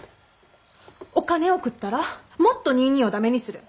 お金送ったらもっとニーニーを駄目にする。